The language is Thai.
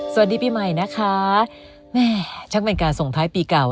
สวัสดีปีใหม่นะคะแม่ช่างเป็นการส่งท้ายปีเก่า